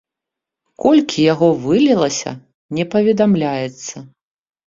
Колькі яго вылілася, не паведамляецца.